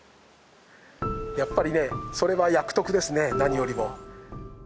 やっぱりねそれは役得ですね何よりも。